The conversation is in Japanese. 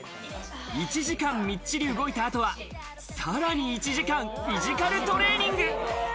１時間みっちり動いたあとは、さらに１時間フィジカルトレーニング。